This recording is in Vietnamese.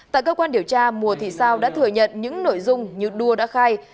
tại cơ quan điều tra mùa thị sao đã thừa nhận những nội dung như đua đã khai